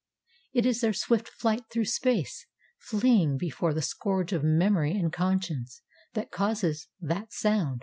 It is their swift flight through space fleeing before the scourge of memory and conscience that causes that sound.